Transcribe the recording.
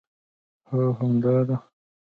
هو همدا ده